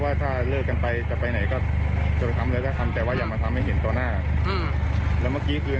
อารมณ์มาแล้ว